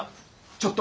ちょっと。